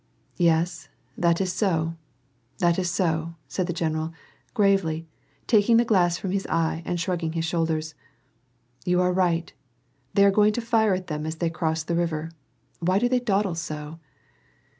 Yes, that is so, that is so," said the general, gravely, tak ing the glass from his eye and shrugging his shoulders, " You are right, they are going to fire at them as they cross the river. Why do they dawdle so